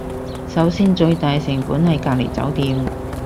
首先最大成本係隔離酒店